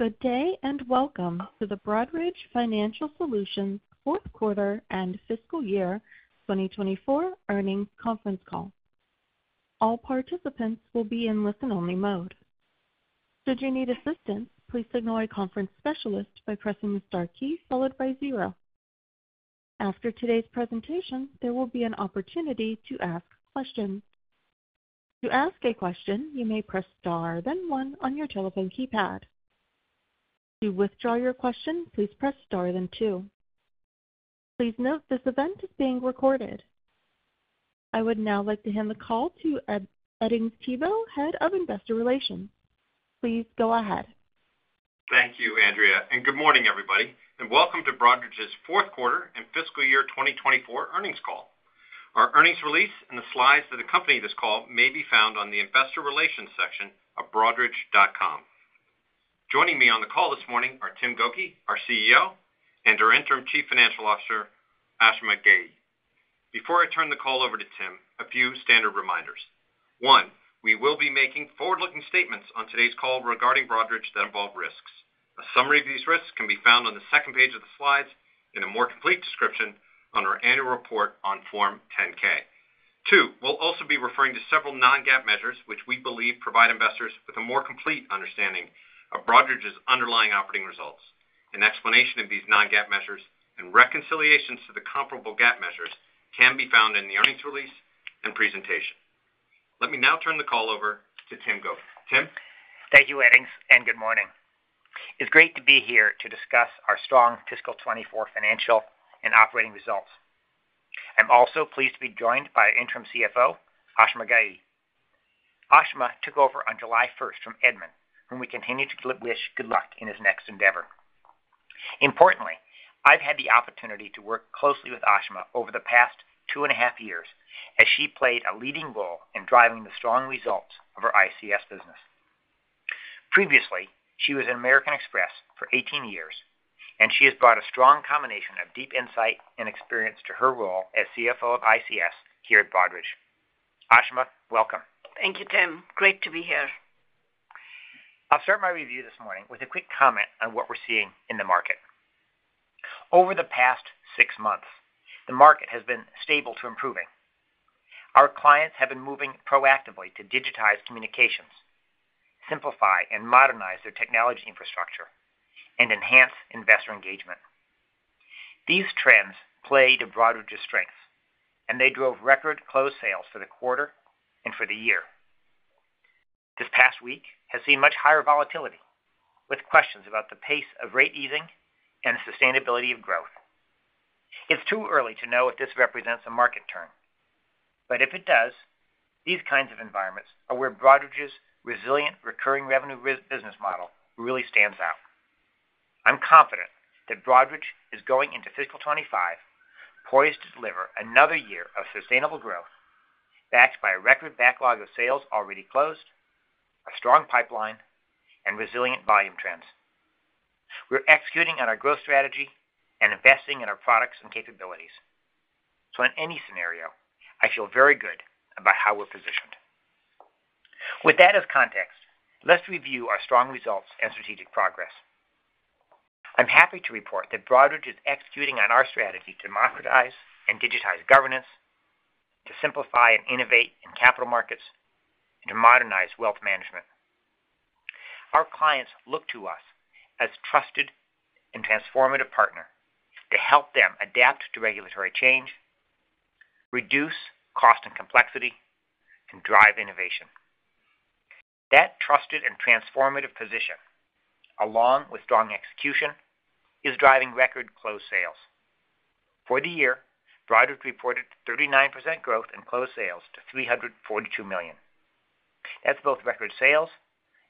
Good day, and welcome to the Broadridge Financial Solutions Q4 and FY 2024 earnings conference call. All participants will be in listen-only mode. Should you need assistance, please signal a conference specialist by pressing the star key followed by zero. After today's presentation, there will be an opportunity to ask questions. To ask a question, you may press Star, then one on your telephone keypad. To withdraw your question, please press Star, then two. Please note this event is being recorded. I would now like to hand the call to W. Edings Thibault, Head of Investor Relations. Please go ahead. Thank you, Andrea, and good morning, everybody, and welcome to Broadridge's Q4 and fiscal year 2024 earnings call. Our earnings release and the slides that accompany this call may be found on the investor relations section of broadridge.com. Joining me on the call this morning are Tim Gokey, our CEO, and our interim Chief Financial Officer, Ashima Ghei. Before I turn the call over to Tim, a few standard reminders. One, we will be making forward-looking statements on today's call regarding Broadridge that involve risks. A summary of these risks can be found on the second page of the slides in a more complete description on our annual report on Form 10-K. Two, we'll also be referring to several non-GAAP measures, which we believe provide investors with a more complete understanding of Broadridge's underlying operating results. An explanation of these non-GAAP measures and reconciliations to the comparable GAAP measures can be found in the earnings release and presentation. Let me now turn the call over to Tim Gokey. Tim? Thank you, Edings, and good morning. It's great to be here to discuss our strong fiscal 2024 financial and operating results. I'm also pleased to be joined by our interim CFO, Ashima Ghei. Ashima took over on 1 July from Edmund Reese, whom we continue to wish good luck in his next endeavor. Importantly, I've had the opportunity to work closely with Ashima over the past two and a half years as she played a leading role in driving the strong results of our ICS business. Previously, she was at American Express for 18 years, and she has brought a strong combination of deep insight and experience to her role as CFO of ICS here at Broadridge. Ashima, welcome. Thank you, Tim. Great to be here. I'll start my review this morning with a quick comment on what we're seeing in the market. Over the past six months, the market has been stable to improving. Our clients have been moving proactively to digitize communications, simplify and modernize their technology infrastructure, and enhance investor engagement. These trends play to Broadridge's strengths, and they drove record closed sales for the quarter and for the year. This past week has seen much higher volatility, with questions about the pace of rate easing and the sustainability of growth. It's too early to know if this represents a market turn, but if it does, these kinds of environments are where Broadridge's resilient, recurring revenue business model really stands out. I'm confident that Broadridge is going into fiscal 2025, poised to deliver another year of sustainable growth, backed by a record backlog of sales already closed, a strong pipeline, and resilient volume trends. We're executing on our growth strategy and investing in our products and capabilities. So in any scenario, I feel very good about how we're positioned. With that as context, let's review our strong results and strategic progress. I'm happy to report that Broadridge is executing on our strategy to modernize and digitize governance, to simplify and innovate in capital markets, and to modernize wealth management. Our clients look to us as trusted and transformative partner to help them adapt to regulatory change, reduce cost and complexity, and drive innovation. That trusted and transformative position, along with strong execution, is driving record closed sales. For the year, Broadridge reported 39% growth in closed sales to $342 million. That's both record sales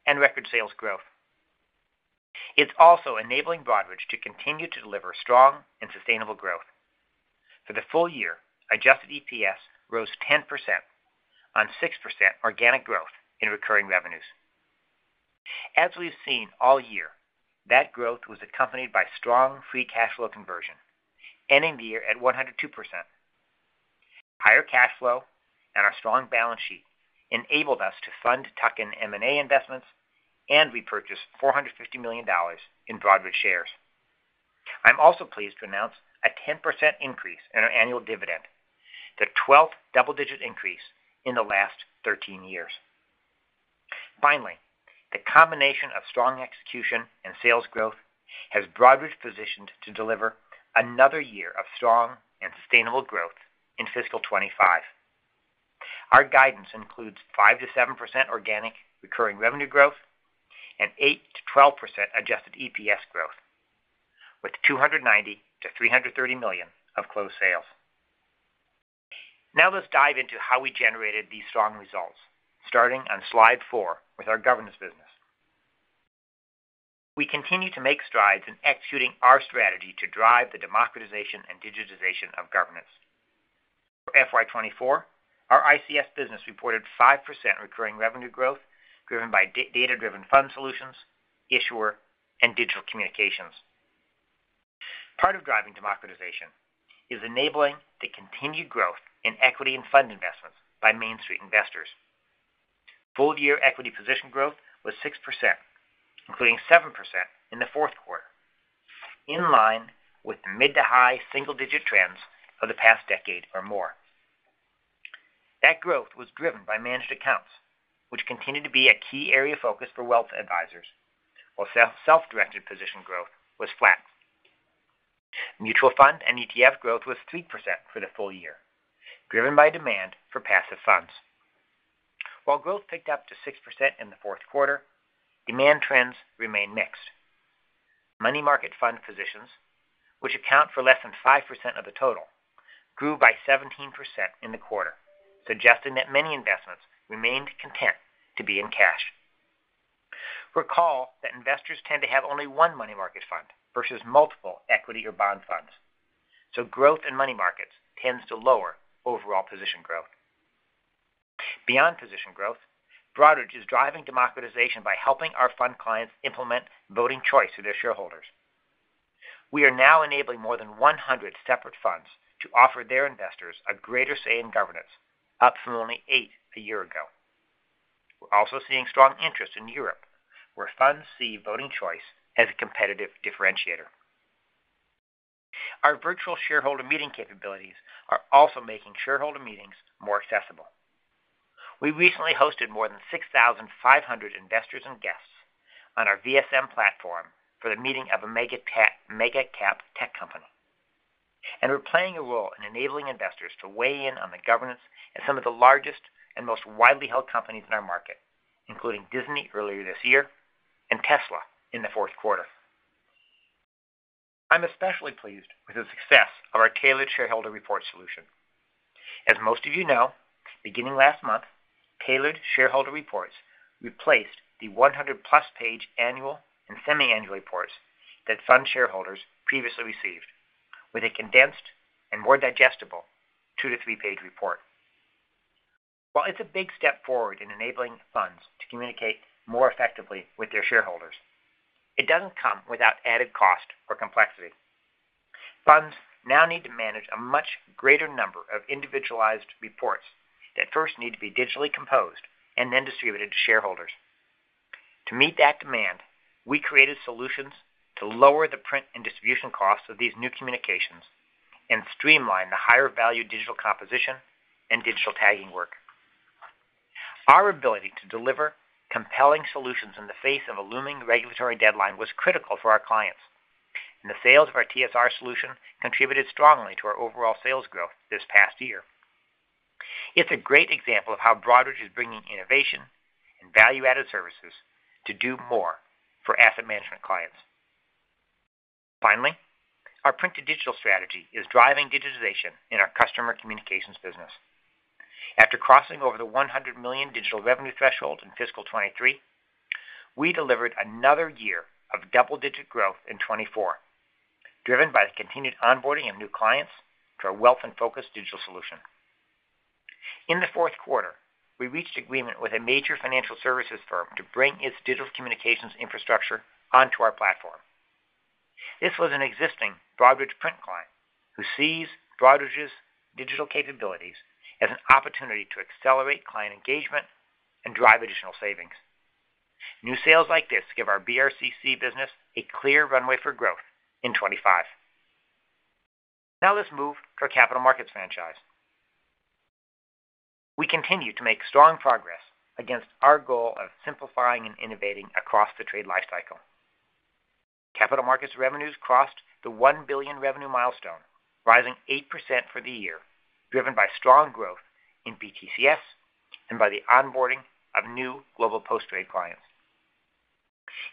and record sales growth. It's also enabling Broadridge to continue to deliver strong and sustainable growth. For the full year, adjusted EPS rose 10% on 6% organic growth in recurring revenues. As we've seen all year, that growth was accompanied by strong free cash flow conversion, ending the year at 102%. Higher cash flow and our strong balance sheet enabled us to fund tuck-in M&A investors and repurchase $450 million in Broadridge shares. I'm also pleased to announce a 10% increase in our annual dividend, the 12th double-digit increase in the last 13 years. Finally, the combination of strong execution and sales growth has Broadridge positioned to deliver another year of strong and sustainable growth in fiscal 2025. Our guidance includes 5%-7% organic recurring revenue growth and 8%-12% adjusted EPS growth, with $290 million-$330 million of closed sales. Now, let's dive into how we generated these strong results, starting on slide 4 with our governance business. We continue to make strides in executing our strategy to drive the democratization and digitization of governance. FY 2024, our ICS business reported 5% recurring revenue growth, driven by data-driven fund solutions, issuer, and digital communications. Of driving democratization is enabling the continued growth in equity and fund investments by Main Street investors. Full-year equity position growth was 6%, including 7% in the Q4, in line with the mid- to high single-digit trends of the past decade or more. That growth was driven by managed accounts, which continued to be a key area of focus for wealth advisors, while self-directed position growth was flat. Mutual fund and ETF growth was 3% for the full year, driven by demand for passive funds. While growth picked up to 6% in the Q4, demand trends remained mixed. Money market fund positions, which account for less than 5% of the total, grew by 17% in the quarter, suggesting that many investments remained content to be in cash. Recall that investors tend to have only one money market fund versus multiple equity or bond funds, so growth in money markets tends to lower overall position growth. Beyond position growth, Broadridge is driving democratization by helping our fund clients implement voting choice to their shareholders. We are now enabling more than 100 separate funds to offer their investors a greater say in governance, up from only eight a year ago. We're also seeing strong interest in Europe, where funds see voting choice as a competitive differentiator. Our virtual shareholder meeting capabilities are also making shareholder meetings more accessible. We recently hosted more than 6,500 investors and guests on our VSM platform for the meeting of a mega-cap tech company, and we're playing a role in enabling investors to weigh in on the governance at some of the largest and most widely held companies in our market, including Disney earlier this year and Tesla in the Q4. I'm especially pleased with the success of our Tailored Shareholder Report solution. As most of you know, beginning last month, Tailored Shareholder Reports replaced the 100+-page annual and semi-annual reports that fund shareholders previously received, with a condensed and more digestible 2-3-page report. While it's a big step forward in enabling funds to communicate more effectively with their shareholders, it doesn't come without added cost or complexity. Funds now need to manage a much greater number of individualized reports that first need to be digitally composed and then distributed to shareholders. To meet that demand, we created solutions to lower the print and distribution costs of these new communications and streamline the higher-value digital composition and digital tagging work. Our ability to deliver compelling solutions in the face of a looming regulatory deadline was critical for our clients, and the sales of our TSR solution contributed strongly to our overall sales growth this past year. It's a great example of how Broadridge is bringing innovation and value-added services to do more for asset management clients. Finally, our print-to-digital strategy is driving digitization in our customer communications business. After crossing over the $100 million digital revenue threshold in fiscal 2023, we delivered another year of double-digit growth in 2024, driven by the continued onboarding of new clients to our wealth and focused digital solution. In the Q4, we reached agreement with a major financial services firm to bring its digital communications infrastructure onto our platform. This was an existing Broadridge print client, who sees Broadridge's digital capabilities as an opportunity to accelerate client engagement and drive additional savings. New sales like this give our BRCC business a clear runway for growth in 2025. Now, let's move to our capital markets franchise. We continue to make strong progress against our goal of simplifying and innovating across the trade life cycle. Capital markets revenues crossed the $1 billion revenue milestone, rising 8% for the year, driven by strong growth in BTCS and by the onboarding of new global post-trade clients.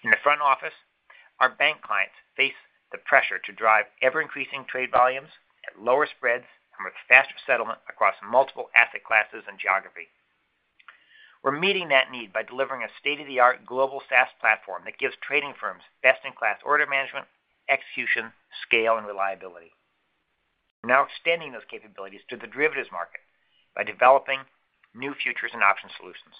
In the front office, our bank clients face the pressure to drive ever-increasing trade volumes at lower spreads and with faster settlement across multiple asset classes and geography. We're meeting that need by delivering a state-of-the-art global SaaS platform that gives trading firms best-in-class order management, execution, scale, and reliability. We're now extending those capabilities to the derivatives market by developing new futures and options solutions.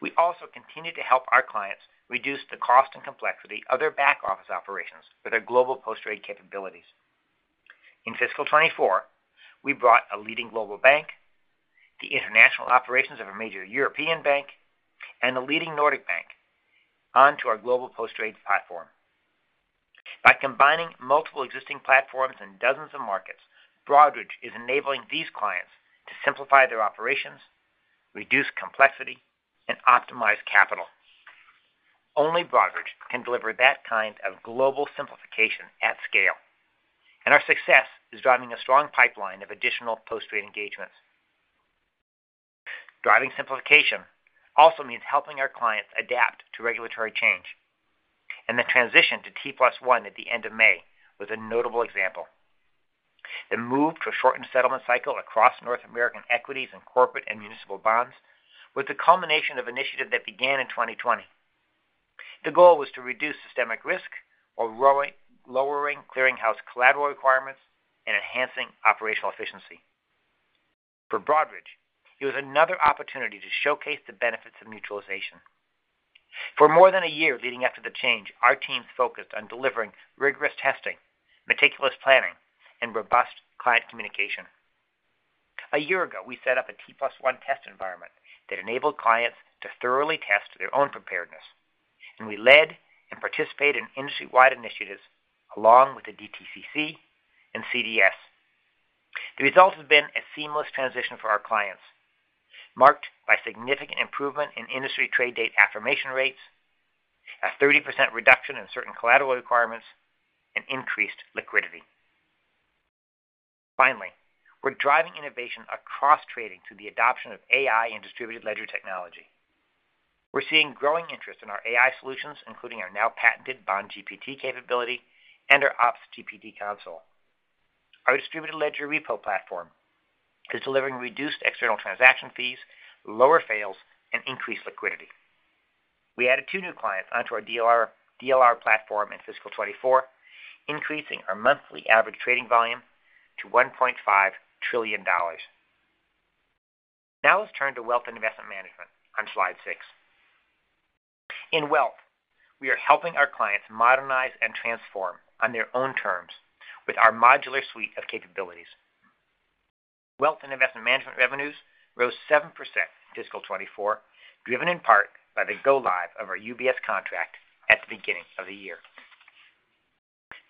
We also continue to help our clients reduce the cost and complexity of their back-office operations with our global post-trade capabilities. In fiscal 2024, we brought a leading global bank, the international operations of a major European bank, and a leading Nordic bank onto our global post-trade platform. By combining multiple existing platforms in dozens of markets, Broadridge is enabling these clients to simplify their operations, reduce complexity, and optimize capital. Only Broadridge can deliver that kind of global simplification at scale, and our success is driving a strong pipeline of additional post-trade engagements. Driving simplification also means helping our clients adapt to regulatory change, and the transition to T+1 at the end of May was a notable example. The move to a shortened settlement cycle across North American equities and corporate and municipal bonds was the culmination of initiative that began in 2020. The goal was to reduce systemic risk while lowering clearing house collateral requirements and enhancing operational efficiency. For Broadridge, it was another opportunity to showcase the benefits of mutualization. For more than a year leading after the change, our teams focused on delivering rigorous testing, meticulous planning, and robust client communication. A year ago, we set up a T+1 test environment that enabled clients to thoroughly test their own preparedness, and we led and participated in industry-wide initiatives, along with the DTCC and CDS. The results have been a seamless transition for our clients, marked by significant improvement in industry trade date affirmation rates, a 30% reduction in certain collateral requirements, and increased liquidity. Finally, we're driving innovation across trading through the adoption of AI and distributed ledger technology. We're seeing growing interest in our AI solutions, including our now patented BondGPT capability and our OpsGPT console. Our Distributed Ledger Repo platform is delivering reduced external transaction fees, lower fails, and increased liquidity. We added two new clients onto our DLR platform in fiscal 2024, increasing our monthly average trading volume to $1.5 trillion. Now, let's turn to wealth and investment management on slide 6. In wealth, we are helping our clients modernize and transform on their own terms with our modular suite of capabilities. Wealth and investment management revenues rose 7% in fiscal 2024, driven in part by the go-live of our UBS contract at the beginning of the year.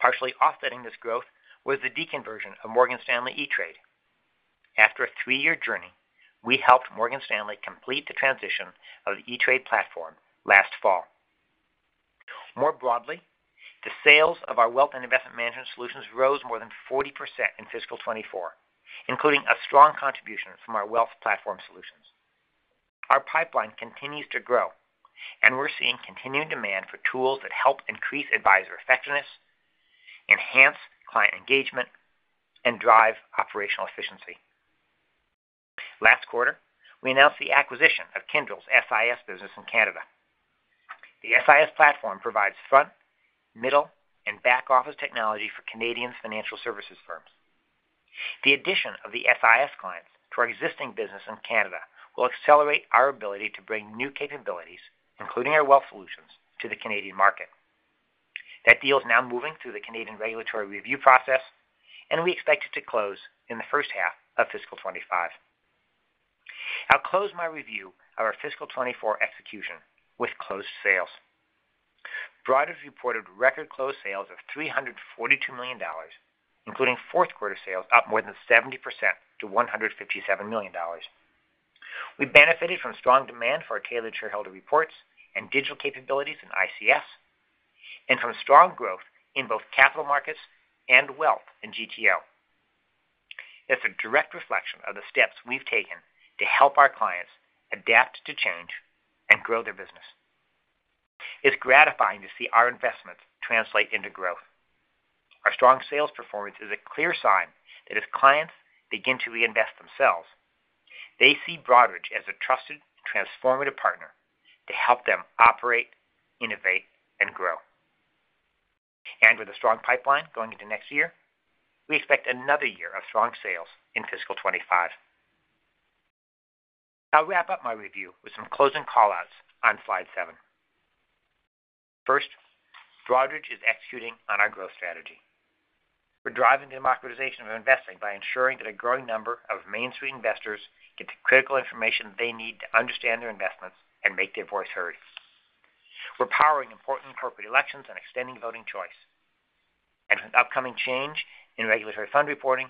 Partially offsetting this growth was the deconversion of Morgan Stanley E*TRADE. After a three-year journey, we helped Morgan Stanley complete the transition of the E*TRADE platform last fall. More broadly, the sales of our wealth and investment management solutions rose more than 40% in fiscal 2024, including a strong contribution from our wealth platform solutions. Our pipeline continues to grow, and we're seeing continued demand for tools that help increase advisor effectiveness, enhance client engagement, and drive operational efficiency. Last quarter, we announced the acquisition of Kyndryl's SIS business in Canada. The SIS platform provides front, middle, and back-office technology for Canadian financial services firms. The addition of the SIS clients to our existing business in Canada will accelerate our ability to bring new capabilities, including our wealth solutions, to the Canadian market. That deal is now moving through the Canadian regulatory review process, and we expect it to close in the H1 of fiscal 2025. I'll close my review of our fiscal 2024 execution with closed sales. Broadridge reported record closed sales of $342 million, including Q4 sales, up more than 70% to $157 million. We benefited from strong demand for our tailored shareholder reports and digital capabilities in ICS, and from strong growth in both capital markets and wealth in GTO. It's a direct reflection of the steps we've taken to help our clients adapt to change and grow their business. It's gratifying to see our investments translate into growth. Our strong sales performance is a clear sign that as clients begin to reinvest themselves, they see Broadridge as a trusted, transformative partner to help them operate, innovate, and grow. And with a strong pipeline going into next year, we expect another year of strong sales in fiscal 2025. I'll wrap up my review with some closing call-outs on slide 7. First, Broadridge is executing on our growth strategy. We're driving democratization of investing by ensuring that a growing number of mainstream investors get the critical information they need to understand their investments and make their voice heard. We're powering important corporate elections and extending voting choice. With upcoming change in regulatory fund reporting,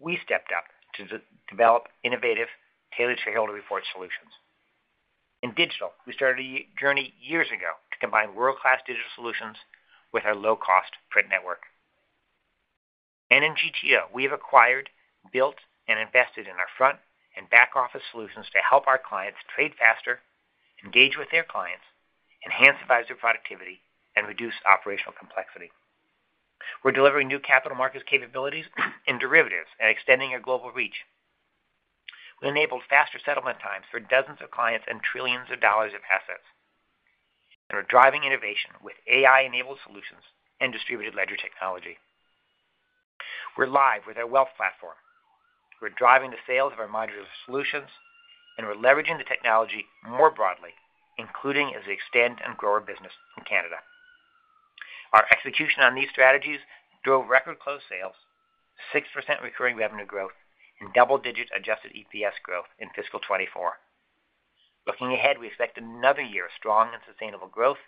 we stepped up to develop innovative, tailored shareholder report solutions. In digital, we started a journey years ago to combine world-class digital solutions with our low-cost print network. In GTO, we have acquired, built, and invested in our front and back-office solutions to help our clients trade faster, engage with their clients, enhance advisor productivity, and reduce operational complexity. We're delivering new capital markets capabilities in derivatives and extending our global reach. We enabled faster settlement times for dozens of clients and trillions of dollars of assets, and are driving innovation with AI-enabled solutions and distributed ledger technology. We're live with our wealth platform. We're driving the sales of our modular solutions, and we're leveraging the technology more broadly, including as we extend and grow our business in Canada. Our execution on these strategies drove record closed sales, 6% recurring revenue growth, and double-digit Adjusted EPS growth in fiscal 2024. Looking ahead, we expect another year of strong and sustainable growth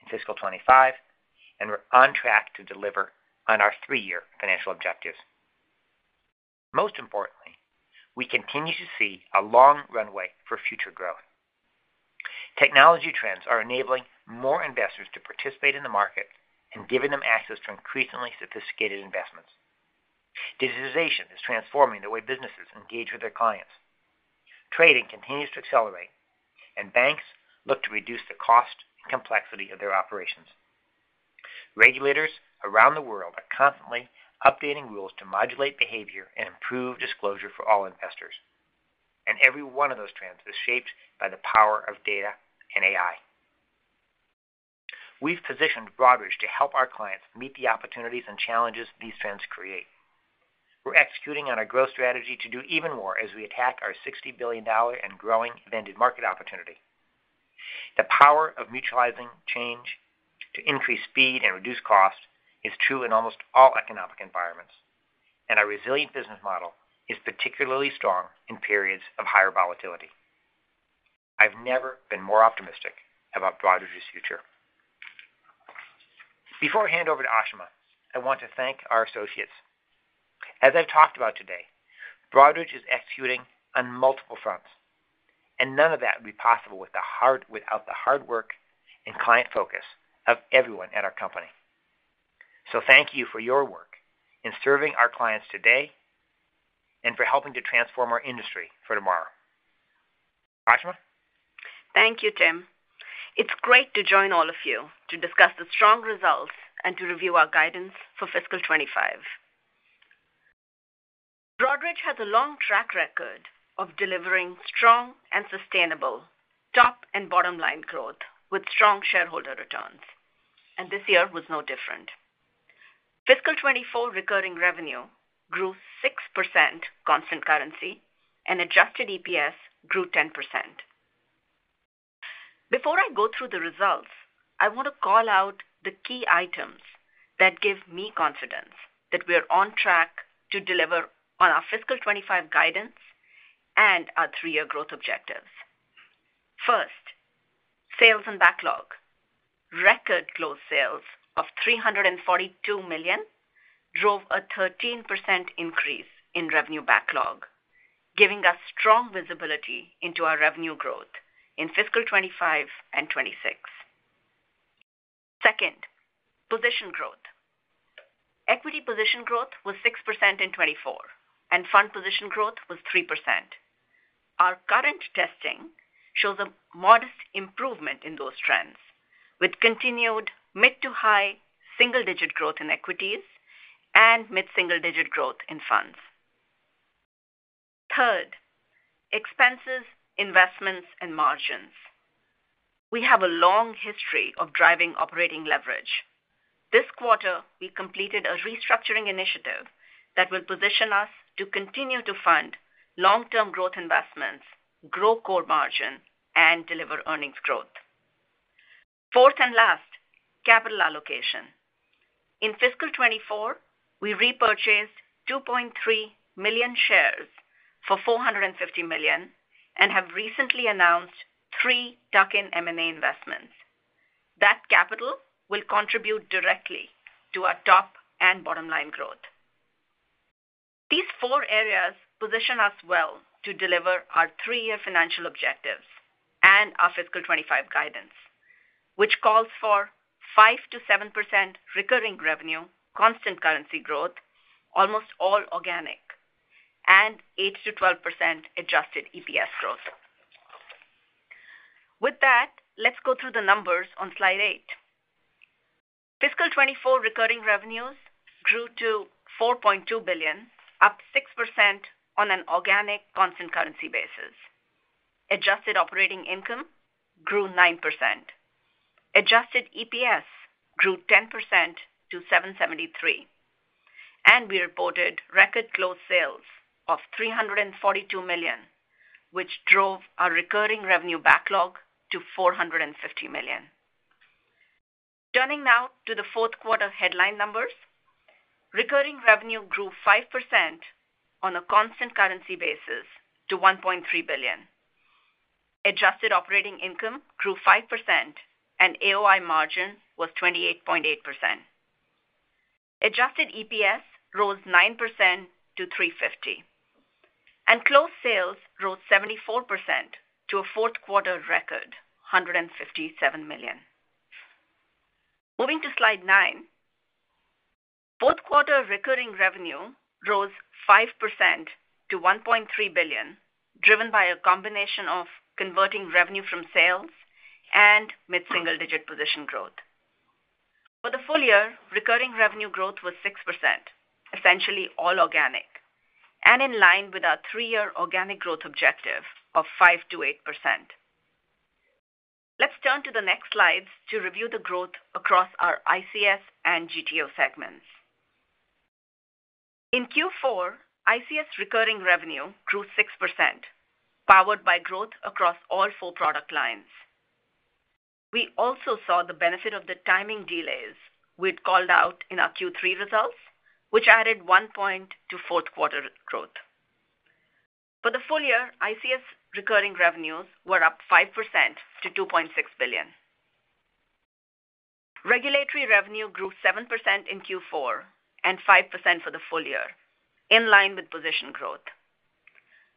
in fiscal 2025, and we're on track to deliver on our three-year financial objectives. Most importantly, we continue to see a long runway for future growth. Technology trends are enabling more investors to participate in the market and giving them access to increasingly sophisticated investments. Digitalization is transforming the way businesses engage with their clients. Trading continues to accelerate, and banks look to reduce the cost and complexity of their operations. Regulators around the world are constantly updating rules to modulate behavior and improve disclosure for all investors, and every one of those trends is shaped by the power of data and AI.... We've positioned Broadridge to help our clients meet the opportunities and challenges these trends create. We're executing on our growth strategy to do even more as we attack our $60 billion and growing targeted market opportunity. The power of mutualizing change to increase speed and reduce costs is true in almost all economic environments, and our resilient business model is particularly strong in periods of higher volatility. I've never been more optimistic about Broadridge's future. Before I hand over to Ashima, I want to thank our associates. As I've talked about today, Broadridge is executing on multiple fronts, and none of that would be possible without the hard work and client focus of everyone at our company. So thank you for your work in serving our clients today and for helping to transform our industry for tomorrow. Ashima? Thank you, Tim. It's great to join all of you to discuss the strong results and to review our guidance for fiscal 2025. Broadridge has a long track record of delivering strong and sustainable top and bottom-line growth with strong shareholder returns, and this year was no different. Fiscal 2024 recurring revenue grew 6% constant currency, and adjusted EPS grew 10%. Before I go through the results, I want to call out the key items that give me confidence that we are on track to deliver on our fiscal 2025 guidance and our 3-year growth objectives. First, sales and backlog. Record close sales of $342 million drove a 13% increase in revenue backlog, giving us strong visibility into our revenue growth in fiscal 2025 and 2026. Second, position growth. Equity position growth was 6% in 2024, and fund position growth was 3%. Our current testing shows a modest improvement in those trends, with continued mid-to high single-digit growth in equities and mid-single-digit growth in funds. Third, expenses, investments, and margins. We have a long history of driving operating leverage. This quarter, we completed a restructuring initiative that will position us to continue to fund long-term growth investments, grow core margin, and deliver earnings growth. Fourth and last, capital allocation. In fiscal 2024, we repurchased 2.3 million shares for $450 million and have recently announced 3 tuck-in M&A investments. That capital will contribute directly to our top and bottom line growth. These four areas position us well to deliver our three-year financial objectives and our fiscal 2025 guidance, which calls for 5%-7% recurring revenue, constant currency growth, almost all organic, and 8%-12% adjusted EPS growth. With that, let's go through the numbers on slide 8. Fiscal 2024 recurring revenues grew to $4.2 billion, up 6% on an organic, constant currency basis. Adjusted operating income grew 9%. Adjusted EPS grew 10% to $7.73, and we reported record close sales of $342 million, which drove our recurring revenue backlog to $450 million. Turning now to the Q4 headline numbers. Recurring revenue grew 5% on a constant currency basis to $1.3 billion. Adjusted operating income grew 5% and AOI margin was 28.8%. Adjusted EPS rose 9% to $3.50, and closed sales rose 74% to a Q4 record, $157 million. Moving to slide 9. Q4 recurring revenue rose 5% to $1.3 billion, driven by a combination of converting revenue from sales and mid-single digit position growth. For the full year, recurring revenue growth was 6%, essentially all organic, and in line with our three-year organic growth objective of 5%-8%. Let's turn to the next slides to review the growth across our ICS and GTO segments. In Q4, ICS recurring revenue grew 6%, powered by growth across all four product lines. We also saw the benefit of the timing delays we'd called out in our Q3 results, which added 1% to Q4 growth. For the full year, ICS recurring revenues were up 5% to $2.6 billion. Regulatory revenue grew 7% in Q4 and 5% for the full year, in line with position growth.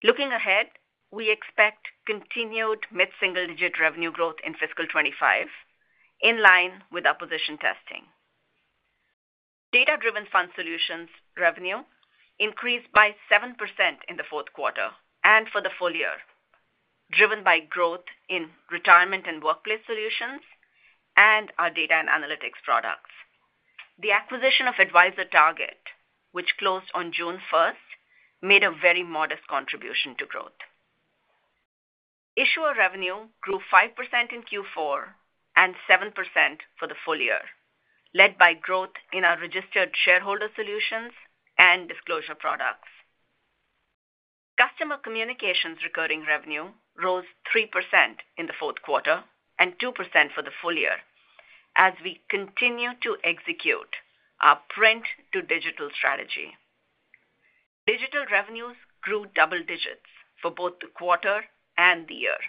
Looking ahead, we expect continued mid-single-digit revenue growth in fiscal 2025, in line with our position testing. Data-driven fund solutions revenue increased by 7% in the Q4 and for the full year, driven by growth in retirement and workplace solutions and our data and analytics products. The acquisition of AdvisorTarget, which closed on 1 June, made a very modest contribution to growth. Issuer revenue grew 5% in Q4 and 7% for the full year, led by growth in our registered shareholder solutions and disclosure products. Customer communications recurring revenue rose 3% in the Q4 and 2% for the full year as we continue to execute our print-to-digital strategy. Digital revenues grew double digits for both the quarter and the year.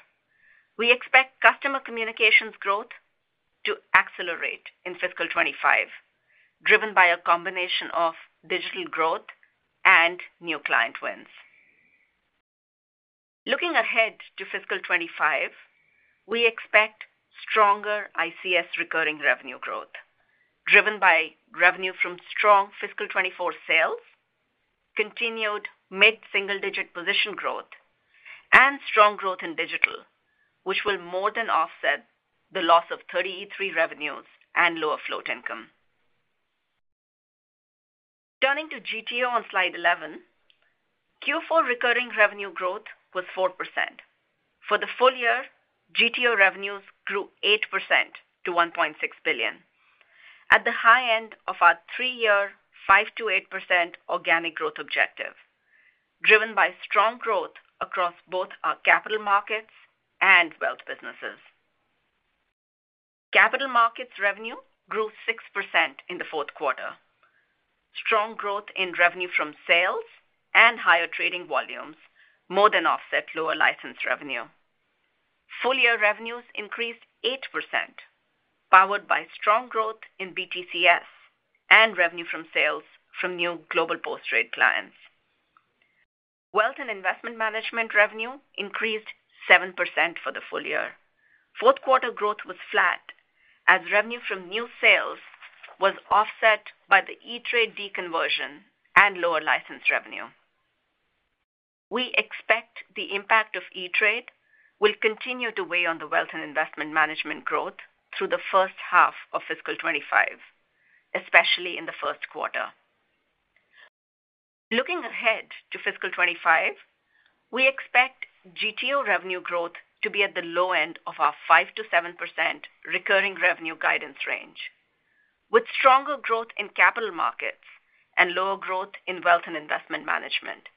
We expect customer communications growth to accelerate in fiscal 2025, driven by a combination of digital growth and new client wins. Looking ahead to fiscal 2025, we expect stronger ICS recurring revenue growth, driven by revenue from strong fiscal 2024 sales, continued mid-single-digit position growth and strong growth in digital, which will more than offset the loss of 30e-3 revenues and lower float income. Turning to GTO on slide 11, Q4 recurring revenue growth was 4%. For the full year, GTO revenues grew 8% to $1.6 billion, at the high end of our three-year 5%-8% organic growth objective, driven by strong growth across both our capital markets and wealth businesses. Capital markets revenue grew 6% in the Q4. Strong growth in revenue from sales and higher trading volumes more than offset lower license revenue. Full-year revenues increased 8%, powered by strong growth in BTCS and revenue from sales from new global post-trade clients. Wealth and investment management revenue increased 7% for the full year. Q4 growth was flat as revenue from new sales was offset by the E*TRADE deconversion and lower licensed revenue. We expect the impact of E*TRADE will continue to weigh on the wealth and investment management growth through the H1 of fiscal 2025, especially in the Q1. Looking ahead to fiscal 2025, we expect GTO revenue growth to be at the low end of our 5%-7% recurring revenue guidance range, with stronger growth in capital markets and lower growth in wealth and investment management.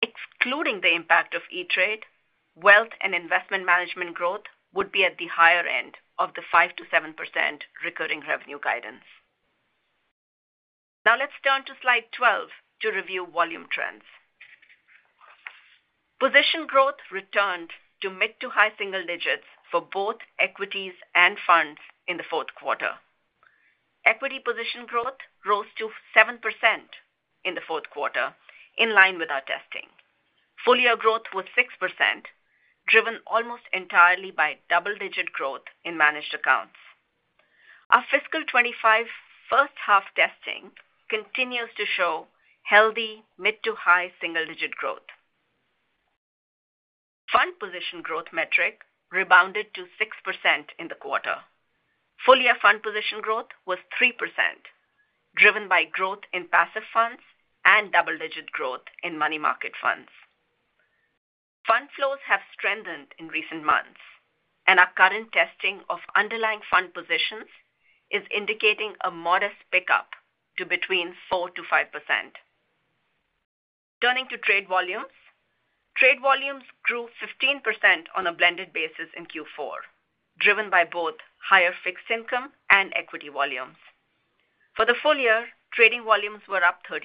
Excluding the impact of E*TRADE, wealth and investment management growth would be at the higher end of the 5%-7% recurring revenue guidance. Now let's turn to slide 12 to review volume trends. Position growth returned to mid-to high-single digits for both equities and funds in the Q4. Equity position growth rose to 7% in the Q4, in line with our testing. Full-year growth was 6%, driven almost entirely by double-digit growth in managed accounts. Our fiscal 2025 H1 testing continues to show healthy mid-to high-single digit growth. Fund position growth metric rebounded to 6% in the quarter. Full-year fund position growth was 3%, driven by growth in passive funds and double-digit growth in money market funds. Fund flows have strengthened in recent months, and our current testing of underlying fund positions is indicating a modest pickup to between 4%-5%. Turning to trade volumes. Trade volumes grew 15% on a blended basis in Q4, driven by both higher fixed income and equity volumes. For the full year, trading volumes were up 13%.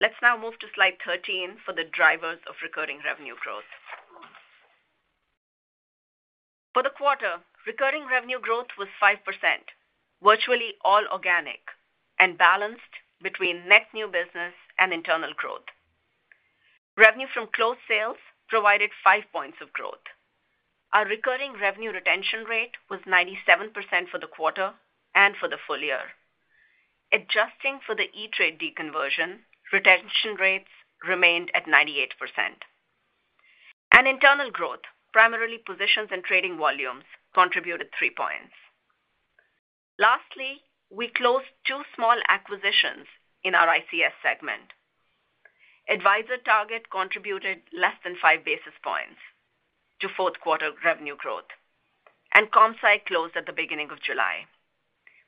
Let's now move to slide 13 for the drivers of recurring revenue growth. For the quarter, recurring revenue growth was 5%, virtually all organic and balanced between net new business and internal growth. Revenue from closed sales provided 5 points of growth. Our recurring revenue retention rate was 97% for the quarter and for the full year. Adjusting for the E*TRADE deconversion, retention rates remained at 98%. Internal growth, primarily positions and trading volumes, contributed 3 points. Lastly, we closed 2 small acquisitions in our ICS segment. AdvisorTarget contributed less than 5 basis points to Q4 revenue growth, and CompSci Resources closed at the beginning of July.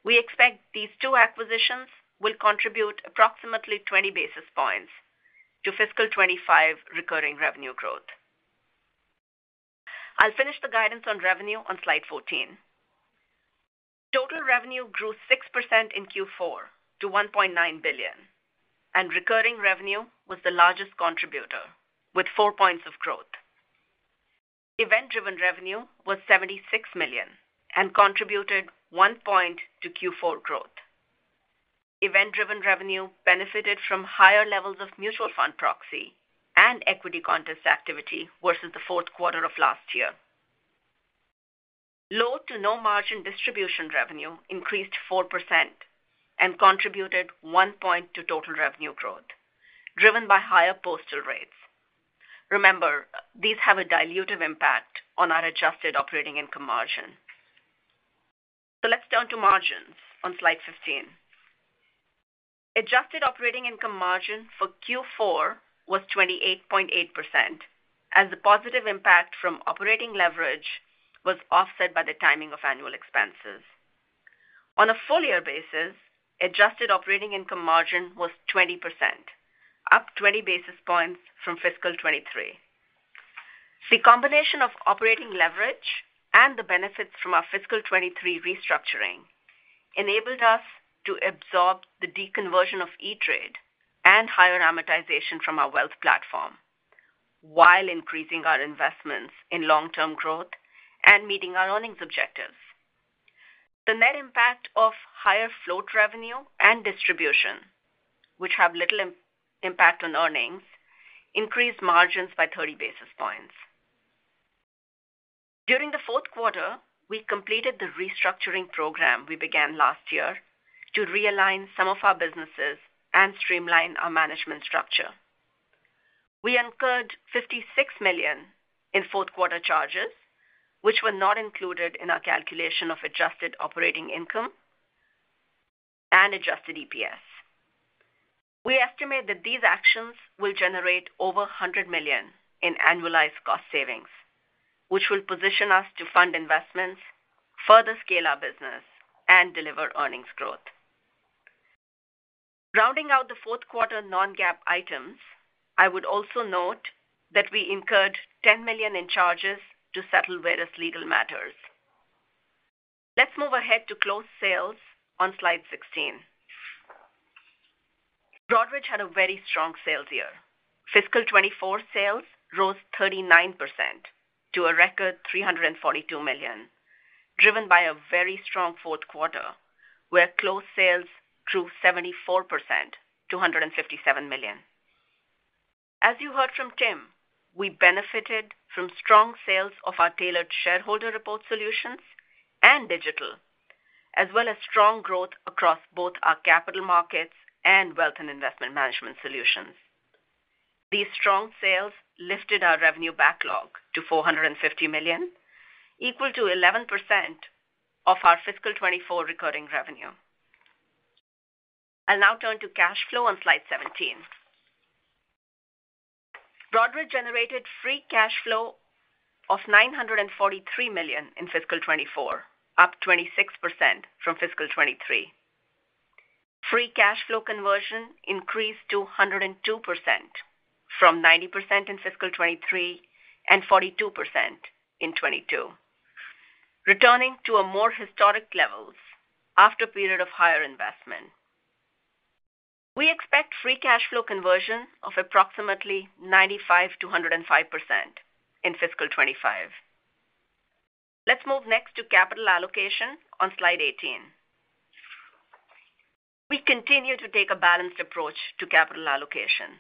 We expect these 2 acquisitions will contribute approximately 20 basis points to fiscal 2025 recurring revenue growth. I'll finish the guidance on revenue on slide 14. Total revenue grew 6% in Q4 to $1.9 billion, and recurring revenue was the largest contributor, with 4 points of growth. Event-driven revenue was $76 million and contributed 1 point to Q4 growth. Event-driven revenue benefited from higher levels of mutual fund proxy and equity contest activity versus the Q4 of last year. Low to no margin distribution revenue increased 4% and contributed 1 point to total revenue growth, driven by higher postal rates. Remember, these have a dilutive impact on our adjusted operating income margin.... Let's turn to margins on slide 15. Adjusted operating income margin for Q4 was 28.8%, as the positive impact from operating leverage was offset by the timing of annual expenses. On a full year basis, adjusted operating income margin was 20%, up 20 basis points from fiscal 2023. The combination of operating leverage and the benefits from our fiscal 2023 restructuring enabled us to absorb the deconversion of E*TRADE and higher amortization from our wealth platform, while increasing our investments in long-term growth and meeting our earnings objectives. The net impact of higher float revenue and distribution, which have little impact on earnings, increased margins by 30 basis points. During the Q4, we completed the restructuring program we began last year to realign some of our businesses and streamline our management structure. We incurred $56 million in Q4 charges, which were not included in our calculation of adjusted operating income and adjusted EPS. We estimate that these actions will generate over $100 million in annualized cost savings, which will position us to fund investments, further scale our business and deliver earnings growth. Rounding out the Q4 non-GAAP items, I would also note that we incurred $10 million in charges to settle various legal matters. Let's move ahead to close sales on slide 16. Broadridge had a very strong sales year. Fiscal 2024 sales rose 39% to a record $342 million, driven by a very strong Q4, where close sales grew 74% to $157 million. As you heard from Tim, we benefited from strong sales of our tailored shareholder report solutions and digital, as well as strong growth across both our capital markets and wealth and investment management solutions. These strong sales lifted our revenue backlog to $450 million, equal to 11% of our Fiscal 2024 recurring revenue. I'll now turn to cash flow on slide 17. Broadridge generated free cash flow of $943 million in fiscal 2024, up 26% from fiscal 2023. Free cash flow conversion increased to 102% from 90% in fiscal 2023 and 42% in 2022, returning to a more historic levels after a period of higher investment. We expect free cash flow conversion of approximately 95%-105% in fiscal 2025. Let's move next to capital allocation on slide 18. We continue to take a balanced approach to capital allocation.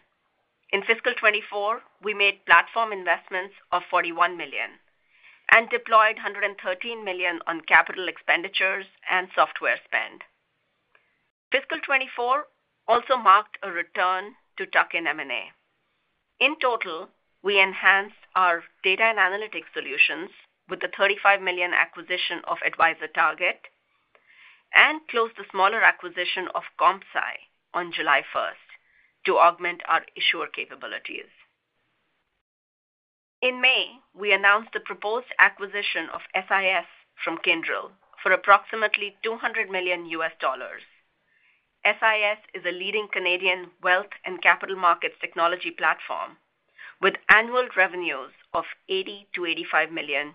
In fiscal 2024, we made platform investments of $41 million and deployed $113 million on capital expenditures and software spend. Fiscal 2024 also marked a return to tuck-in M&A. In total, we enhanced our data and analytics solutions with the $35 million acquisition of AdvisorTarget and closed the smaller acquisition of CompSci on July first to augment our issuer capabilities. In May, we announced the proposed acquisition of SIS from Kyndryl for approximately $200 million. SIS is a leading Canadian wealth and capital markets technology platform with annual revenues of $80 million-$85 million.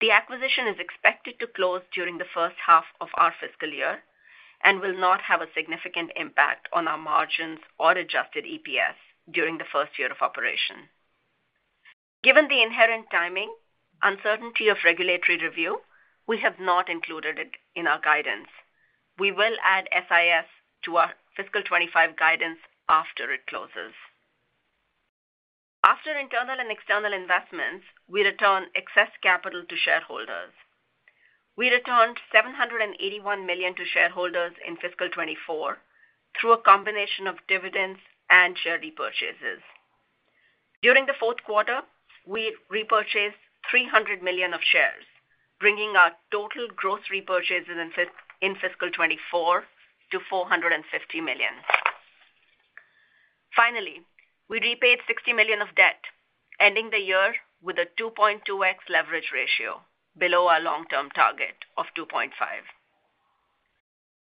The acquisition is expected to close during the H1 of our fiscal year and will not have a significant impact on our margins or adjusted EPS during the first year of operation. Given the inherent timing, uncertainty of regulatory review, we have not included it in our guidance. We will add SIS to our fiscal 2025 guidance after it closes. After internal and external investments, we return excess capital to shareholders. We returned $781 million to shareholders in fiscal 2024 through a combination of dividends and share repurchases. During the Q4, we repurchased $300 million of shares, bringing our total gross repurchases in fiscal 2024 to $450 million. Finally, we repaid $60 million of debt, ending the year with a 2.2x leverage ratio below our long-term target of 2.5.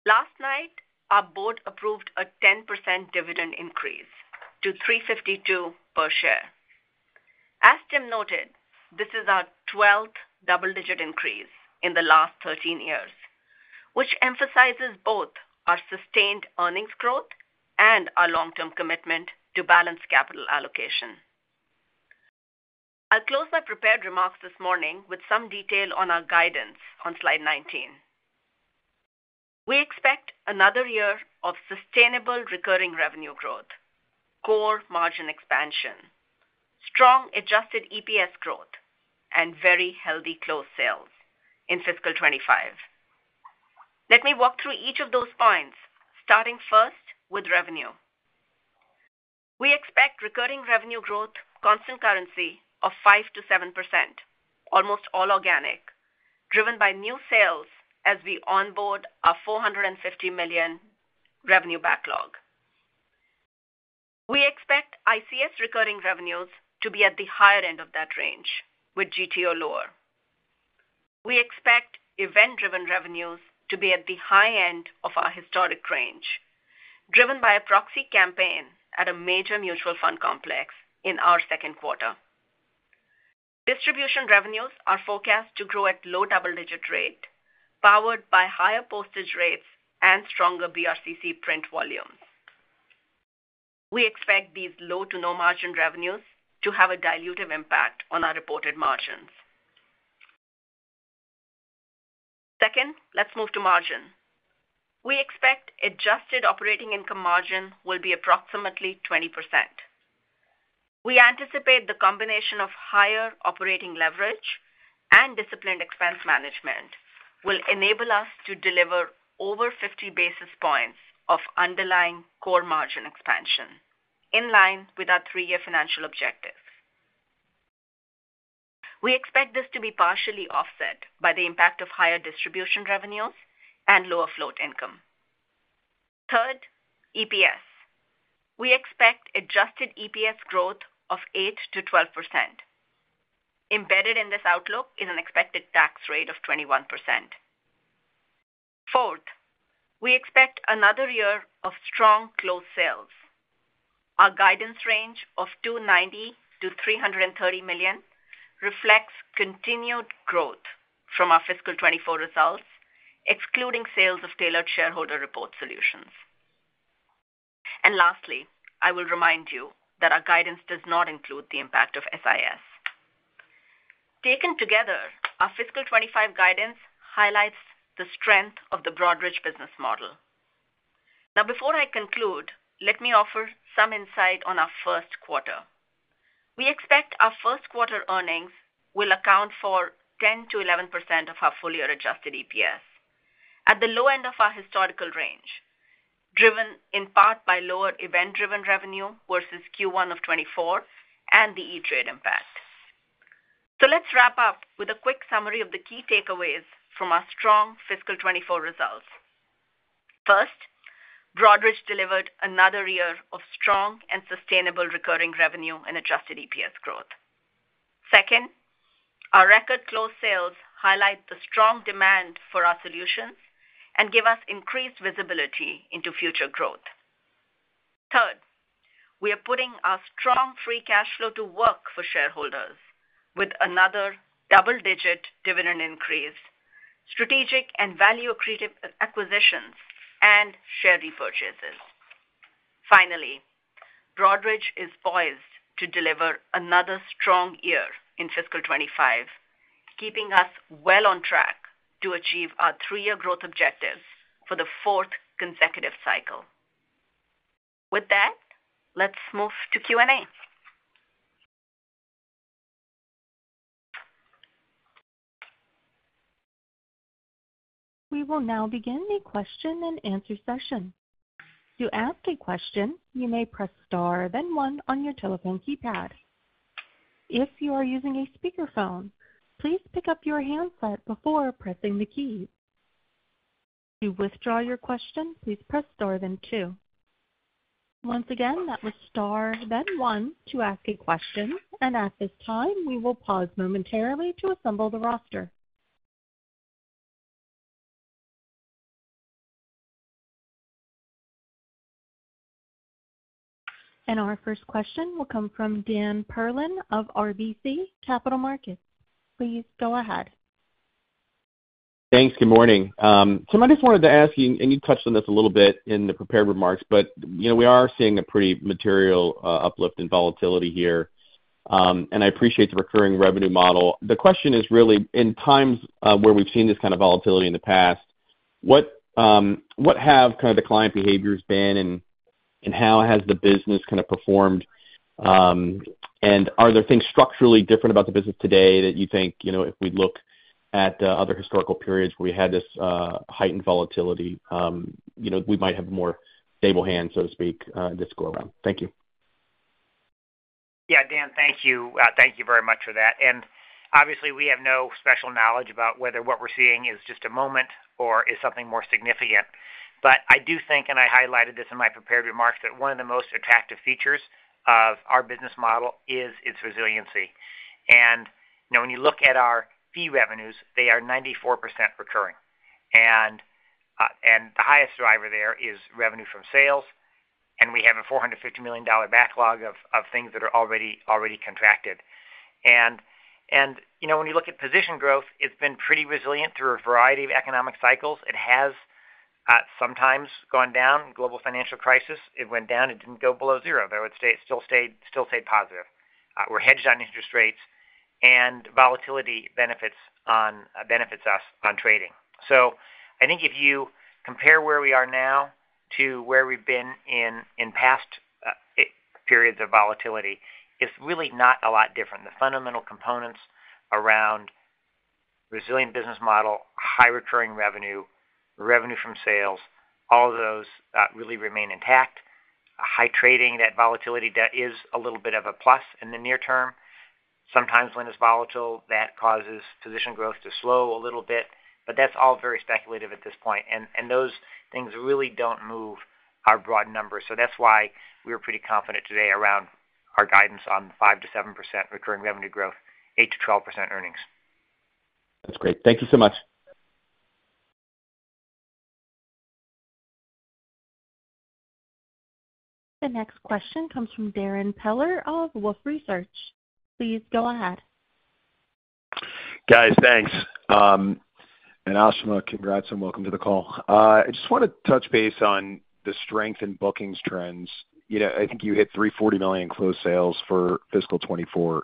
Last night, our board approved a 10% dividend increase to $0.352 per share. As Tim noted, this is our 12th double-digit increase in the last 13 years, which emphasizes both our sustained earnings growth and our long-term commitment to balanced capital allocation. I'll close my prepared remarks this morning with some detail on our guidance on slide 19. We expect another year of sustainable recurring revenue growth, core margin expansion, strong adjusted EPS growth, and very healthy close sales in fiscal 2025. Let me walk through each of those points, starting first with revenue... recurring revenue growth, constant currency of 5%-7%, almost all organic, driven by new sales as we onboard our $450 million revenue backlog. We expect ICS recurring revenues to be at the higher end of that range, with GTO lower. We expect event-driven revenues to be at the high end of our historic range, driven by a proxy campaign at a major mutual fund complex in our Q2. Distribution revenues are forecast to grow at low double-digit rate, powered by higher postage rates and stronger BRCC print volumes. We expect these low to no margin revenues to have a dilutive impact on our reported margins. Second, let's move to margin. We expect adjusted operating income margin will be approximately 20%. We anticipate the combination of higher operating leverage and disciplined expense management will enable us to deliver over 50 basis points of underlying core margin expansion, in line with our 3-year financial objective. We expect this to be partially offset by the impact of higher distribution revenues and lower float income. Third, EPS. We expect adjusted EPS growth of 8%-12%. Embedded in this outlook is an expected tax rate of 21%. Fourth, we expect another year of strong closed sales. Our guidance range of $290 million-$330 million reflects continued growth from our fiscal 2024 results, excluding sales of Tailored Shareholder Reports solutions. Lastly, I will remind you that our guidance does not include the impact of SIS. Taken together, our fiscal 2025 guidance highlights the strength of the Broadridge business model. Now, before I conclude, let me offer some insight on our Q1. We expect our Q1 earnings will account for 10%-11% of our fully adjusted EPS, at the low end of our historical range, driven in part by lower event-driven revenue versus Q1 of 2024 and the E*TRADE impact. So let's wrap up with a quick summary of the key takeaways from our strong fiscal 2024 results. First, Broadridge delivered another year of strong and sustainable recurring revenue and adjusted EPS growth. Second, our record close sales highlight the strong demand for our solutions and give us increased visibility into future growth. Third, we are putting our strong free cash flow to work for shareholders with another double-digit dividend increase, strategic and value accretive acquisitions, and share repurchases. Finally, Broadridge is poised to deliver another strong year in fiscal 2025, keeping us well on track to achieve our three-year growth objectives for the fourth consecutive cycle. With that, let's move to Q&A. We will now begin the question-and-answer session. To ask a question, you may press Star, then one on your telephone keypad. If you are using a speakerphone, please pick up your handset before pressing the key. To withdraw your question, please press Star, then two. Once again, that was Star, then one to ask a question, and at this time, we will pause momentarily to assemble the roster. Our first question will come from Daniel Perlin of RBC Capital Markets. Please go ahead. Thanks. Good morning. So I just wanted to ask you, and you touched on this a little bit in the prepared remarks, but, you know, we are seeing a pretty material uplift in volatility here, and I appreciate the recurring revenue model. The question is really in times where we've seen this kind of volatility in the past, what, what have kind of the client behaviors been and, and how has the business kind of performed? And are there things structurally different about the business today that you think, you know, if we look at the other historical periods where we had this heightened volatility, you know, we might have a more stable hand, so to speak, this go around? Thank you. Yeah, Daniel, thank you. Thank you very much for that. And obviously, we have no special knowledge about whether what we're seeing is just a moment or is something more significant. But I do think, and I highlighted this in my prepared remarks, that one of the most attractive features of our business model is its resiliency. And, you know, when you look at our fee revenues, they are 94% recurring, and the highest driver there is revenue from sales, and we have a $450 million backlog of things that are already contracted. And you know, when you look at position growth, it's been pretty resilient through a variety of economic cycles. It has sometimes gone down. Global financial crisis, it went down. It didn't go below zero, though, it stayed positive. We're hedged on interest rates and volatility benefits us on trading. So I think if you compare where we are now to where we've been in past periods of volatility, it's really not a lot different. The fundamental components around-... resilient business model, high recurring revenue, revenue from sales, all of those, really remain intact. High trading, that volatility debt is a little bit of a plus in the near term. Sometimes when it's volatile, that causes position growth to slow a little bit, but that's all very speculative at this point, and, and those things really don't move our broad numbers. So that's why we're pretty confident today around our guidance on 5%-7% recurring revenue growth, 8%-12% earnings. That's great. Thank you so much. The next question comes from Darrin Peller of Wolfe Research. Please go ahead. Guys, thanks. And Ashima, congrats and welcome to the call. I just want to touch base on the strength in bookings trends. You know, I think you hit $340 million closed sales for fiscal 2024,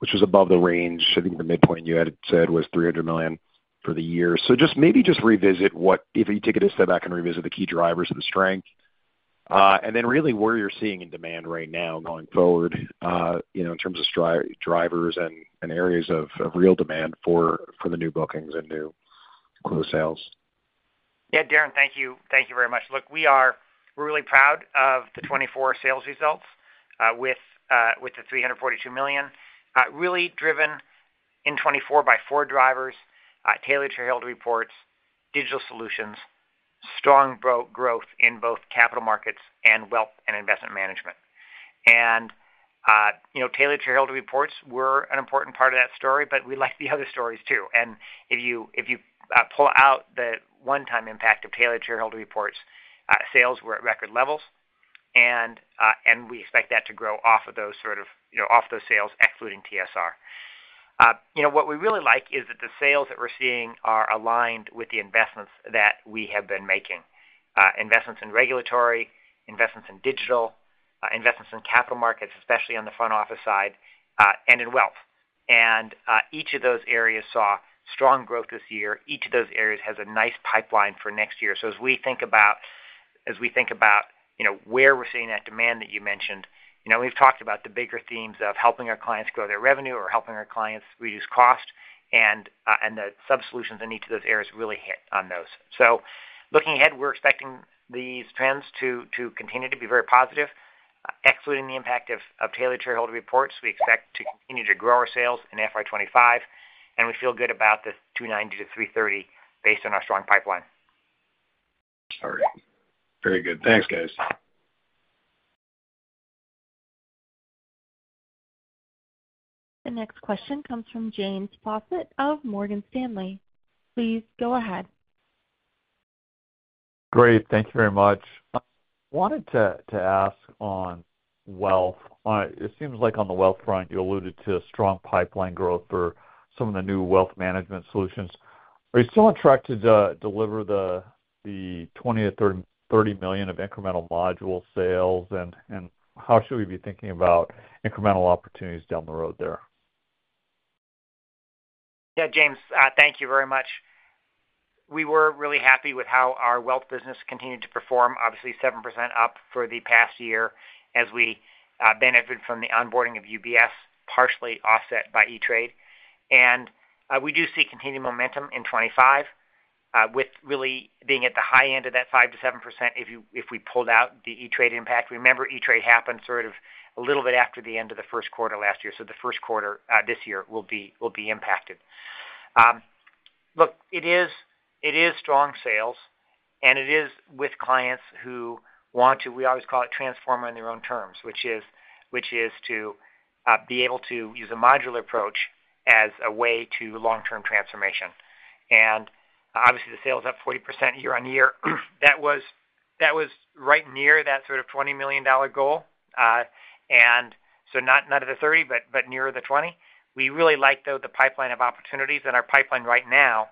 which was above the range. I think the midpoint you had said was $300 million for the year. So just maybe just revisit what- if you take a step back and revisit the key drivers of the strength, and then really where you're seeing in demand right now going forward, you know, in terms of strength drivers and, and areas of, of real demand for, for the new bookings and new closed sales. Yeah, Darrin, thank you. Thank you very much. Look, we are really proud of the 2024 sales results with the $342 million, really driven in 2024 by 4 drivers: Tailored Shareholder Reports, digital solutions, strong growth in both capital markets and wealth and investment management. You know, Tailored Shareholder Reports were an important part of that story, but we like the other stories, too. If you pull out the one-time impact of Tailored Shareholder Reports, sales were at record levels, and we expect that to grow off of those sales, excluding TSR. You know, what we really like is that the sales that we're seeing are aligned with the investments that we have been making. Investments in regulatory, investments in digital, investments in capital markets, especially on the front office side, and in wealth. And each of those areas saw strong growth this year. Each of those areas has a nice pipeline for next year. So as we think about, as we think about, you know, where we're seeing that demand that you mentioned, you know, we've talked about the bigger themes of helping our clients grow their revenue or helping our clients reduce cost, and the sub-solutions in each of those areas really hit on those. So looking ahead, we're expecting these trends to, to continue to be very positive, excluding the impact of tailored shareholder reports, we expect to continue to grow our sales in FY 2025, and we feel good about the 290-330 based on our strong pipeline. All right. Very good. Thanks, guys. The next question comes from James Faucette of Morgan Stanley. Please go ahead. Great. Thank you very much. I wanted to ask on wealth. It seems like on the wealth front, you alluded to strong pipeline growth for some of the new wealth management solutions. Are you still on track to deliver the $20 million-$30 million of incremental module sales? And how should we be thinking about incremental opportunities down the road there? Yeah, James, thank you very much. We were really happy with how our wealth business continued to perform, obviously 7% up for the past year as we benefited from the onboarding of UBS, partially offset by E*TRADE. And we do see continued momentum in 2025 with really being at the high end of that 5%-7% if we pulled out the E*TRADE impact. Remember, E*TRADE happened sort of a little bit after the end of the Q1 last year, so the Q1 this year will be, will be impacted. Look, it is strong sales, and it is with clients who want to, we always call it transform on their own terms, which is, which is to be able to use a modular approach as a way to long-term transformation. And obviously, the sales up 40% year-on-year. That was, that was right near that sort of $20 million goal, and so not, not at the $30 million, but, but nearer the $20 million. We really like, though, the pipeline of opportunities, and our pipeline right now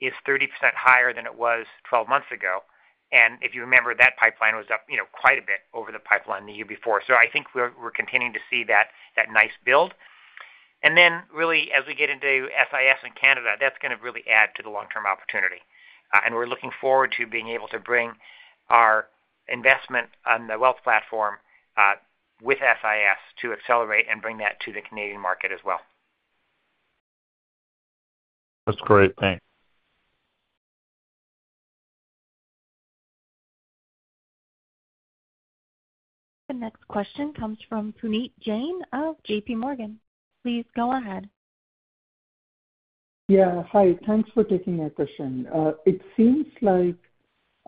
is 30% higher than it was 12 months ago. And if you remember, that pipeline was up, you know, quite a bit over the pipeline the year before. So I think we're, we're continuing to see that, that nice build. And then really, as we get into SIS in Canada, that's going to really add to the long-term opportunity. And we're looking forward to being able to bring our investment on the wealth platform with SIS to accelerate and bring that to the Canadian market as well. That's great. Thanks. The next question comes from Puneet Jain of J.P. Morgan. Please go ahead. Yeah, hi. Thanks for taking my question. It seems like,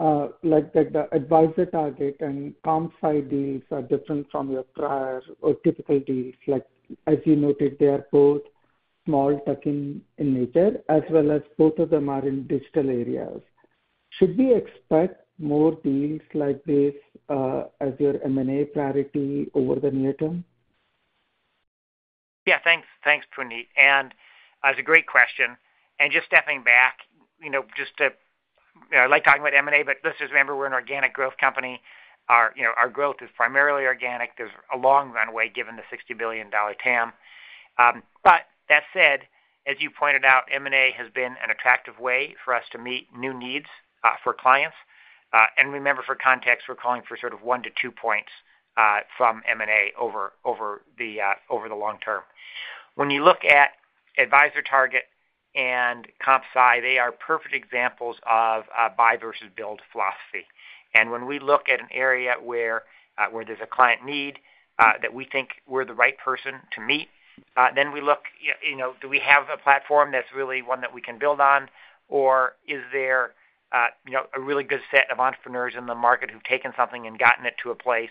like that the AdvisorTarget and CompSci deals are different from your prior or typical deals. Like, as you noted, they are both small tuck-in in nature, as well as both of them are in digital areas. Should we expect more deals like this, as your M&A priority over the near term? Yeah, thanks. Thanks, Puneet, and it's a great question. Just stepping back, you know, just to... I like talking about M&A, but let's just remember, we're an organic growth company. Our, you know, our growth is primarily organic. There's a long runway, given the $60 billion TAM. But that said, as you pointed out, M&A has been an attractive way for us to meet new needs for clients. And remember, for context, we're calling for sort of 1-2 points from M&A over the long term. When you look at AdvisorTarget and CompSci, they are perfect examples of buy versus build philosophy. When we look at an area where there's a client need that we think we're the right person to meet, then we look, you know, do we have a platform that's really one that we can build on? Or is there, you know, a really good set of entrepreneurs in the market who've taken something and gotten it to a place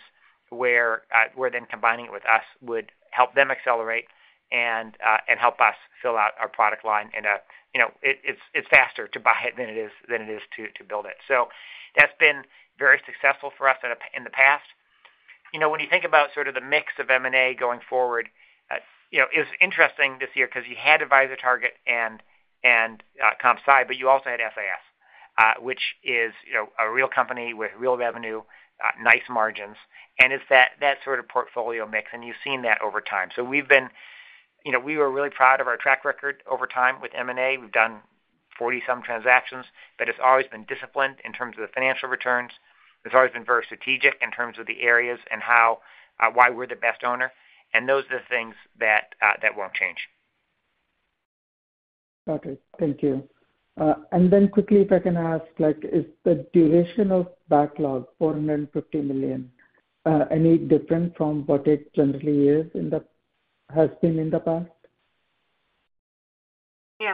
where then combining it with us would help them accelerate and help us fill out our product line? And, you know, it's faster to buy it than it is to build it. So that's been very successful for us in the past. You know, when you think about sort of the mix of M&A going forward, you know, it's interesting this year because you had AdvisorTarget and CompSci, but you also had SIS, which is, you know, a real company with real revenue, nice margins, and it's that sort of portfolio mix, and you've seen that over time. So you know, we were really proud of our track record over time with M&A. We've done 40-some transactions, but it's always been disciplined in terms of the financial returns. It's always been very strategic in terms of the areas and how why we're the best owner, and those are the things that won't change. Got it. Thank you. Then quickly, if I can ask, like, is the duration of backlog, $450 million, any different from what it generally has been in the past? Yeah.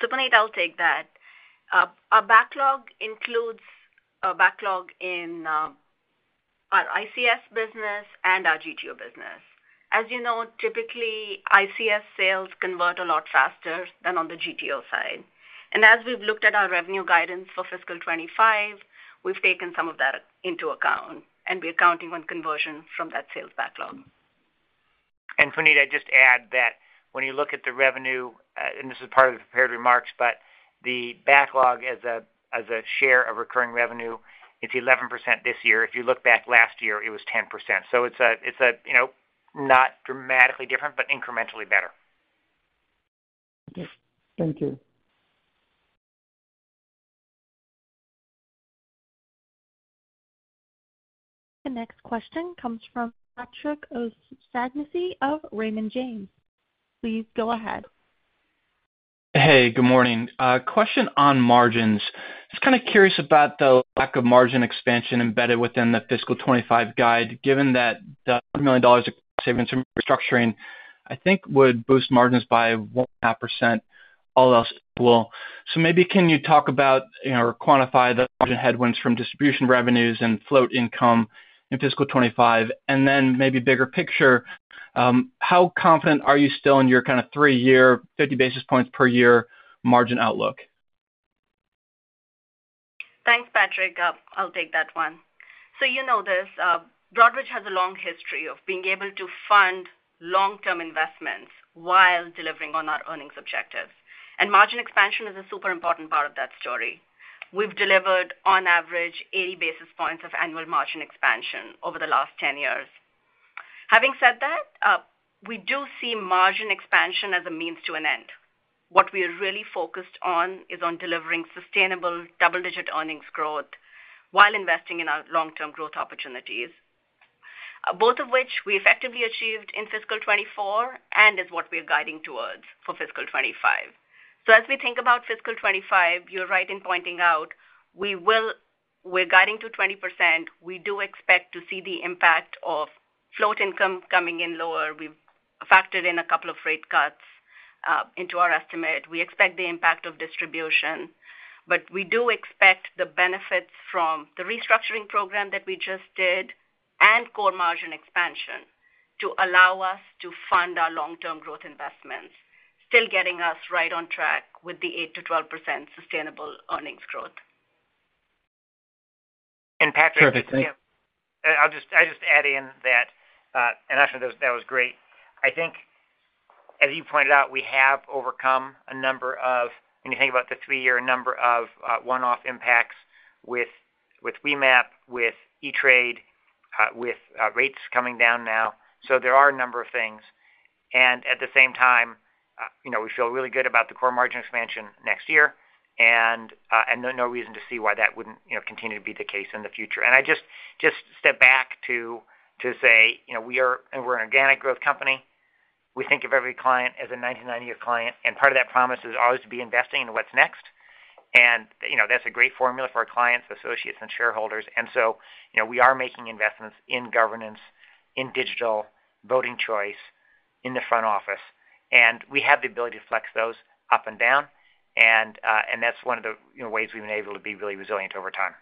So Puneet, I'll take that. Our backlog includes a backlog in our ICS business and our GTO business. As you know, typically, ICS sales convert a lot faster than on the GTO side. And as we've looked at our revenue guidance for fiscal 2025, we've taken some of that into account, and we're counting on conversion from that sales backlog. And Puneet, I'd just add that when you look at the revenue, and this is part of the prepared remarks, but the backlog as a share of recurring revenue, it's 11% this year. If you look back last year, it was 10%. So it's, you know, not dramatically different, but incrementally better. Okay. Thank you. The next question comes from Patrick O'Shaughnessy of Raymond James. Please go ahead. Hey, good morning. Question on margins. Just kind of curious about the lack of margin expansion embedded within the fiscal 2025 guide, given that the $1 million of savings and restructuring, I think, would boost margins by 1.5%, all else well. So maybe can you talk about, you know, or quantify the margin headwinds from distribution revenues and float income in fiscal 2025? And then maybe bigger picture, how confident are you still in your kind of three-year, 50 basis points per year margin outlook? Thanks, Patrick. I'll take that one. So you know this, Broadridge has a long history of being able to fund long-term investments while delivering on our earnings objectives, and margin expansion is a super important part of that story. We've delivered on average 80 basis points of annual margin expansion over the last 10 years. Having said that, we do see margin expansion as a means to an end. What we are really focused on is on delivering sustainable double-digit earnings growth while investing in our long-term growth opportunities, both of which we effectively achieved in fiscal 2024 and is what we're guiding towards for fiscal 2025. So as we think about fiscal 2025, you're right in pointing out, we're guiding to 20%. We do expect to see the impact of float income coming in lower. We've factored in a couple of rate cuts into our estimate. We expect the impact of distribution, but we do expect the benefits from the restructuring program that we just did and core margin expansion to allow us to fund our long-term growth investments, still getting us right on track with the 8%-12% sustainable earnings growth. Perfect, thank- I'll just add in that, and actually, that was great. I think, as you pointed out, we have overcome a number of... When you think about the three-year number of one-off impacts with [WeMap], with E*TRADE, with rates coming down now. So there are a number of things, and at the same time, you know, we feel really good about the core margin expansion next year, and no reason to see why that wouldn't, you know, continue to be the case in the future. And I just step back to say, you know, we're an organic growth company. We think of every client as a 10, 20-year client, and part of that promise is always to be investing in what's next. You know, that's a great formula for our clients, associates, and shareholders. So, you know, we are making investments in governance, in digital, voting choice, in the front office, and we have the ability to flex those up and down, and, and that's one of the, you know, ways we've been able to be really resilient over time.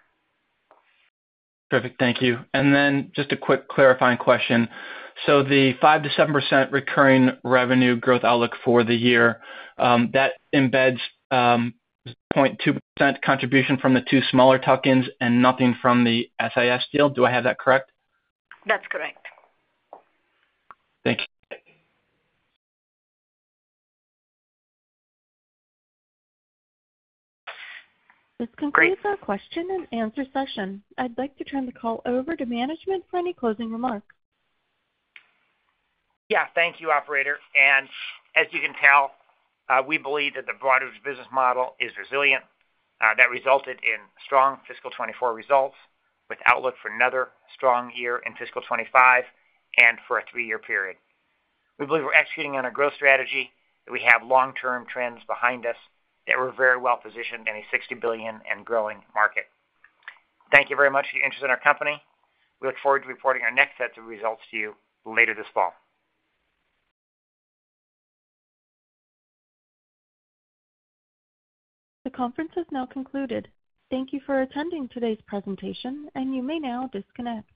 Perfect. Thank you. And then just a quick clarifying question: So the 5%-7% recurring revenue growth outlook for the year, that embeds 0.2% contribution from the 2 smaller tuck-ins and nothing from the SIS deal. Do I have that correct? That's correct. Thank you. This concludes our question and answer session. I'd like to turn the call over to management for any closing remarks. Yeah, thank you, operator. And as you can tell, we believe that the Broadridge business model is resilient, that resulted in strong fiscal 2024 results, with outlook for another strong year in fiscal 2025 and for a 3-year period. We believe we're executing on our growth strategy, that we have long-term trends behind us, that we're very well positioned in a $60 billion and growing market. Thank you very much for your interest in our company. We look forward to reporting our next sets of results to you later this fall. The conference has now concluded. Thank you for attending today's presentation, and you may now disconnect.